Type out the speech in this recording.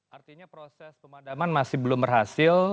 artinya proses pemadaman masih belum berhasil